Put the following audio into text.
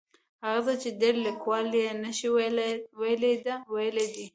هغه څه چې ډېر لیکوال یې نشي ویلی ده ویلي دي.